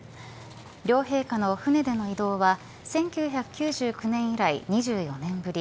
両陛下の船での移動は１９９９年以来２４年ぶり。